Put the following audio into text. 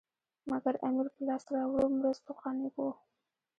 مګر امیر په لاسته راوړو مرستو قانع وو.